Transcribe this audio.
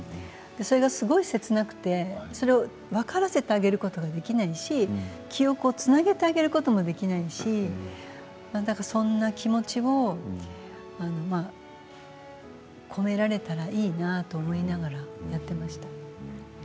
それがすごく切なくてそれを分からせてあげることができないし記憶をつなげてあげることもできないし、そんな気持ちを込められたらいいなと思いながらやってました。